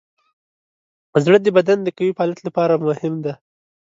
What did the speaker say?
زړه د بدن د قوي فعالیت لپاره مهم دی.